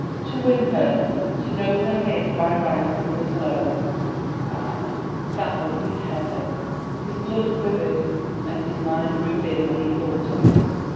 To win her, to know her his by right and his alone, ah, that would be heaven! His blood quivered and his mind grew dim when he thought of it.